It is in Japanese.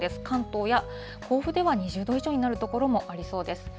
関東や甲府では２０度以上になる所もありそうです。